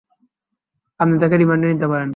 আপনি তাকে রিমান্ডে নিতে পারেন।